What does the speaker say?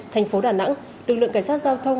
thành phố đà nẵng lực lượng cảnh sát giao thông